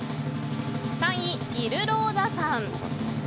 ３位、イルローザさん。